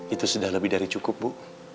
itu sudah lebih dari cukup bu